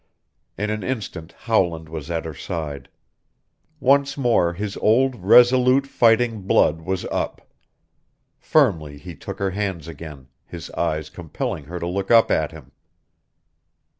In an instant Howland was at her side. Once more his old, resolute fighting blood was up. Firmly he took her hands again, his eyes compelling her to look up at him.